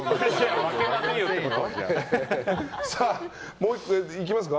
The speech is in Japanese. もう１個いきますか。